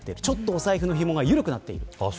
お財布のひもが緩くなっている。